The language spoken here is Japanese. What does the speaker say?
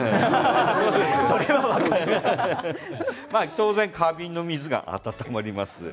当然花瓶の水が温まります。